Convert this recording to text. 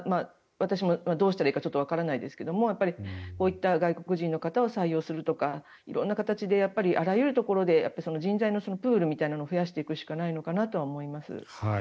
私もどうしたらいいかちょっとわからないですがこういった外国人の方を採用するとか色んな形であらゆるところで人材のプールみたいなものを増やしていくしかないのかなと思います。